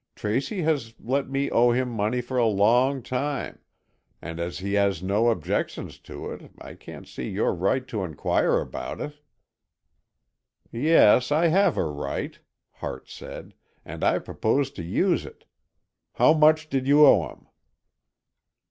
Tracy has let me owe him money for a long time, and as he had no objections to it, I can't see your right to inquire about it." "Yes, I have a right," Hart said, "and I propose to use it. How much did you owe him?"